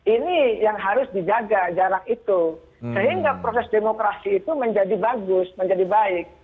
ini yang harus dijaga jarak itu sehingga proses demokrasi itu menjadi bagus menjadi baik